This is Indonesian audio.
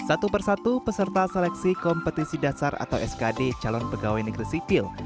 satu persatu peserta seleksi kompetisi dasar atau skd calon pegawai negeri sipil